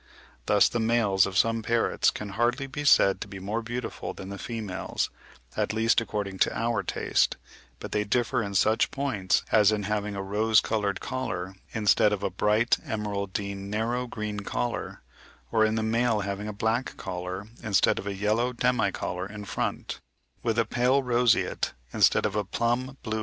Thus the males of some parrots can hardly be said to be more beautiful than the females, at least according to our taste, but they differ in such points, as in having a rose coloured collar instead of "a bright emeraldine narrow green collar"; or in the male having a black collar instead of "a yellow demi collar in front," with a pale roseate instead of a plum blue head.